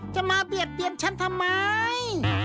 จะมาเบียดเบียนฉันทำไม